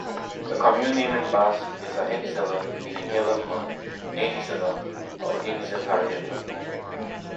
The commune name in basque is "Ahintzila" meaning "hill of mud", "Aintzila" or "Aintzil-Harrieta".